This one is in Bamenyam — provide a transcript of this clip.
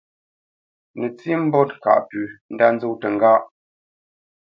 Nətsí mbót ŋkâʼ pʉ̌ ndá nzó təŋgáʼ.